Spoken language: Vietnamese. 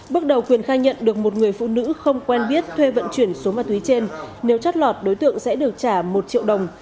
bước đầu quyền khai nhận được một người phụ nữ không quen biết thuê vận chuyển số ma túy trên nếu chót lọt đối tượng sẽ được trả một triệu đồng